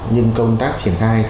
nhưng công tác triển khai